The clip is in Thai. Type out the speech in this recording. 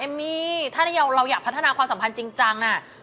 เอมมี่ถ้าเราอยากพัฒนาความสัมพันธ์จริงน่ะ